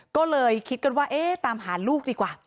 ก็เลยคิดกันว่าเอ๊ะตามหาลูกดีกว่า